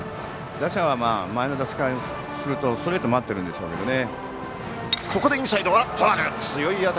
打者は前の打席からするとストレートを待っているんでしょうけどね。